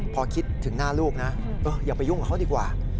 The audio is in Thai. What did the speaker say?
พอคิดถึงหน้าลูกนะอย่าไปยุ่งกับเขาดีกว่า